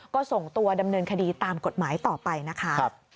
ก็ส่งตัวดำเนินคดีตามกฎหมายต่อไปนะคะ